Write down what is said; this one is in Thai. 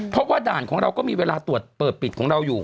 เพราะว่าด่านของเราก็มีเวลาตรวจเปิดปิดของเราอยู่